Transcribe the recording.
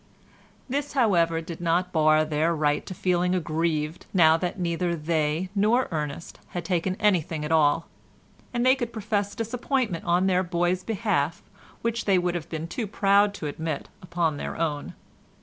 This, however, did not bar their right to feeling aggrieved now that neither they nor Ernest had taken anything at all, and they could profess disappointment on their boy's behalf which they would have been too proud to admit upon their own.